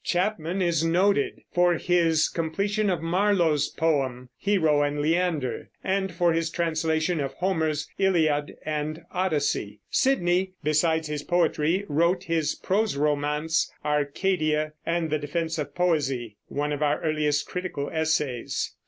Chapman is noted for his completion of Marlowe's poem, Hero and Leander, and for his translation of Homer's Iliad and Odyssey. Sidney, besides his poetry, wrote his prose romance Arcadia, and The Defense of Poesie, one of our earliest critical essays.